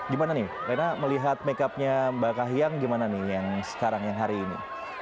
gimana nih rena melihat makeupnya mbak kahiyang gimana nih yang sekarang yang hari ini